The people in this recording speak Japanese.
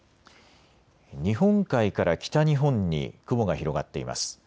日本海から北日本に雲が広がっています。